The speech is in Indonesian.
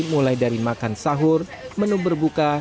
mulai dari makan sahur menu berbuka